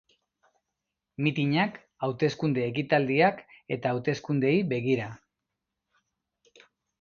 Mitinak, hauteskunde ekitaldiak eta hauteskundeei begira.